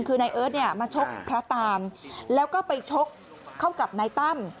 คือนายเอิร์ทเนี่ยมาชกพระตามแล้วก็ไปชกเข้ากับนายตั้ม